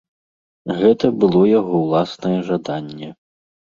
Гэта было яго ўласнае жаданне.